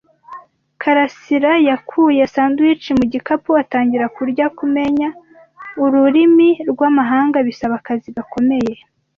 Karasirayakuye sandwich mu gikapu atangira kurya. Kumenya ururimi rwamahanga bisaba akazi gakomeye.